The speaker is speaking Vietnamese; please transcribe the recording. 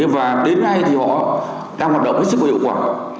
và đến nay thì họ đang hoạt động hết sức có hiệu quả